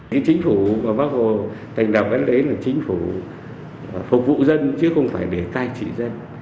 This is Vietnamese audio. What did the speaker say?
những chính phủ mà bác hồ thành đạo vấn đề là chính phủ phục vụ dân chứ không phải để cai trị dân